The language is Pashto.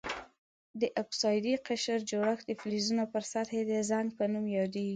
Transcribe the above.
د اکسایدي قشر جوړښت د فلزونو پر سطحې د زنګ په نوم یادیږي.